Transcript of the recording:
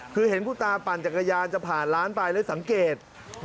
คือเห็นคุณตาปั่นจักรยานจะผ่านร้านไปแล้วสังเกต